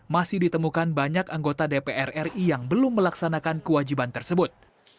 masih ditemukan banyak anggota dpr ri yang belum melaksanakan kewajiban tersebut